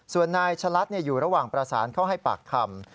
ส่วนนายชะลัดอยู่ระหว่างประสานเข้าให้ปากคำ